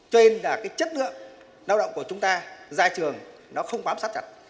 cho nên là chất lượng lao động của chúng ta ra trường không bám sát chặt